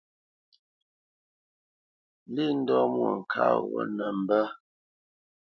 Lî ndɔ́ Mwôŋkát ghó nə mbə́.